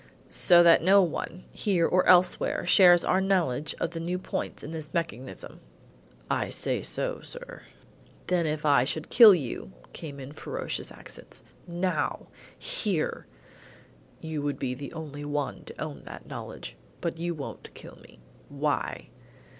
"So that no one, here or elsewhere, shares our knowledge of the new points in this mechanism?" "I say so, sir." "Then if I should kill you," came in ferocious accents, "now here " "You would be the only one to own that knowledge. But you won't kill me." "Why?"